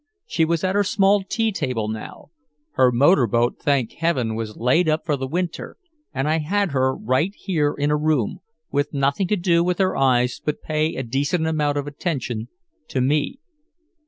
She was at her small tea table now. Her motorboat, thank Heaven, was laid up for the winter, and I had her right here in a room, with nothing to do with her eyes but pay a decent amount of attention to me.